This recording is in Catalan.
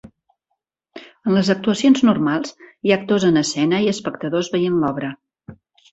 En les actuacions normals hi ha actors en escena i espectadors veient l'obra.